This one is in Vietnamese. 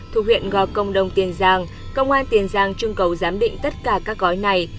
thuộc huyện gò công đông tiền giang công an tiền giang trưng cầu giám định tất cả các gói này